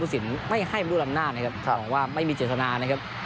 ผู้สินไม่ให้มดุลันหน้านะครับหวังว่าไม่มีเจษนานะครับ